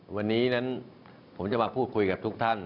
สวัสดีพี่น้องประชาชนคนไทยที่รักทุกท่านครับ